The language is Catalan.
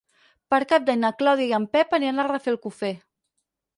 Per Cap d'Any na Clàudia i en Pep aniran a Rafelcofer.